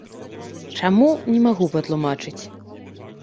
Чаму, не магу патлумачыць.